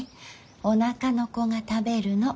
おなかの子が食べるの。